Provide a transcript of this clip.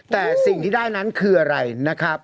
แต่สิ่งที่ได้นั้นคืออะไรนะครับ